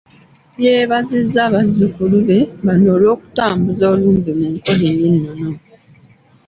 Yeebazizza bazzukulu be bano olw'okutambuza olumbe mu nkola ey'ennono.